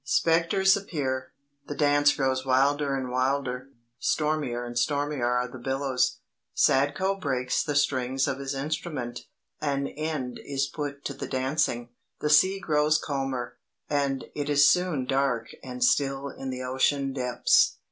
Spectres appear; the dance grows wilder and wilder; stormier and stormier are the billows. Sadko breaks the strings of his instrument; an end is put to the dancing, the sea grows calmer, and it is soon dark and still in the ocean depths."